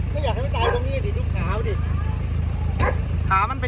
ตั้งแต่ภอดีกลับสู่เมื่อสามเท่าที่